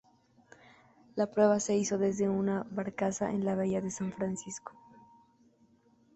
La prueba se hizo desde una barcaza en la bahía de San Francisco.